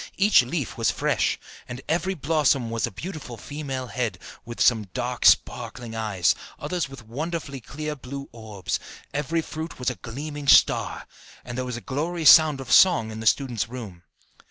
Each leaf was fresh, and every blossom was a beautiful female head, some with dark sparkling eyes, others with wonderfully clear blue orbs; every fruit was a gleaming star, and there was a glorious sound of song in the student's room.